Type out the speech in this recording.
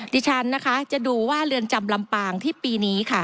ดิฉันจะดูว่าเรือนจำลำปางที่ปีนี้